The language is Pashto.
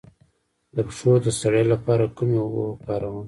د پښو د ستړیا لپاره کومې اوبه وکاروم؟